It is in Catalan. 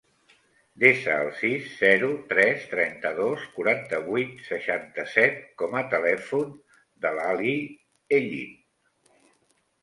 Desa el sis, zero, tres, trenta-dos, quaranta-vuit, seixanta-set com a telèfon de l'Ali Hellin.